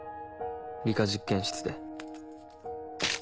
理科実験室で。